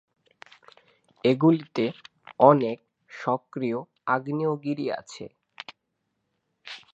এগুলিতে অনেক সক্রিয় আগ্নেয়গিরি আছে।